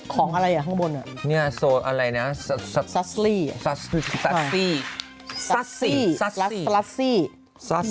ของอะไรอ่ะข้างบนอ่ะเนี่ยอะไรน่ะ